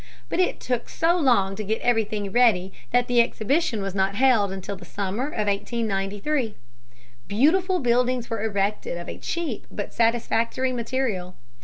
But it took so long to get everything ready that the exhibition was not held until the summer of 1893. Beautiful buildings were erected of a cheap but satisfactory material.